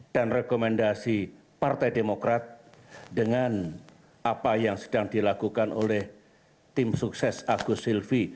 dan rekomendasi partai demokrat dengan apa yang sedang dilakukan oleh tim sukses agus silvi